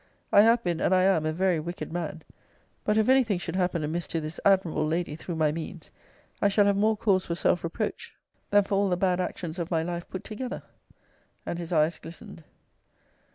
I have been, and I am a very wicked man. But if any thing should happen amiss to this admirable lady, through my means, I shall have more cause for self reproach than for all the bad actions of my life put together. And his eyes glistened.